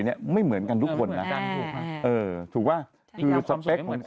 น้ำส้มหรอน่ารักน่ารักน่ารักน่ารัก